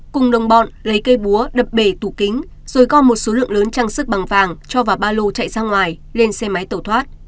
cùng đồng bọn lấy cây búa đập bể tủ kính rồi gom một số lượng lớn trang sức bằng vàng cho vào ba lô chạy ra ngoài lên xe máy tẩu thoát